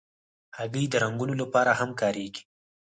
هګۍ د رنګونو لپاره هم کارېږي.